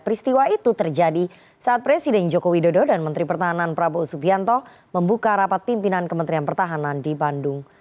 peristiwa itu terjadi saat presiden joko widodo dan menteri pertahanan prabowo subianto membuka rapat pimpinan kementerian pertahanan di bandung